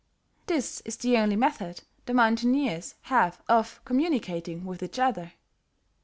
This is the only method the mountaineers have of communicating with each other.